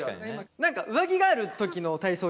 何か上着がある時の体操着あるじゃん。